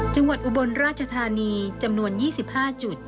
อุบลราชธานีจำนวน๒๕จุด